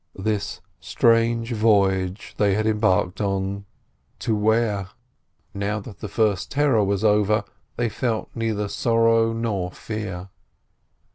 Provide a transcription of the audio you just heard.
This strange voyage they had embarked on—to where? Now that the first terror was over they felt neither sorrow nor fear.